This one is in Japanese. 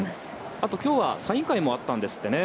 あと、今日はサイン会もあったんですってね。